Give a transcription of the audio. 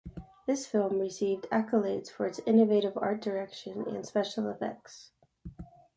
This film received accolades for its innovative art direction and special effects.